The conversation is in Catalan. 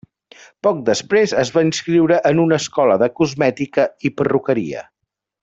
Poc després es va inscriure en una escola de cosmètica i perruqueria.